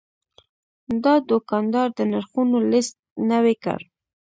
دا دوکاندار د نرخونو لیست نوي کړ.